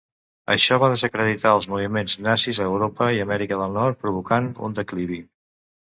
Això va desacreditar els moviments nazis a Europa i Amèrica del Nord, provocant un declivi.